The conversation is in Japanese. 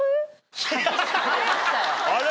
あれ？